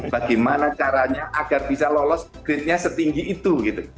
bagaimana caranya agar bisa lolos grade nya setinggi itu